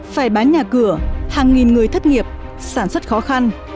phải bán nhà cửa hàng nghìn người thất nghiệp sản xuất khó khăn